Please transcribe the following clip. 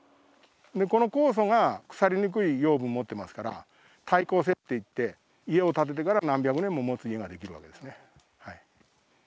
でこの酵素が腐りにくい養分持ってますから「耐候性」っていって家を建ててから何百年ももつ家ができるわけですねはい。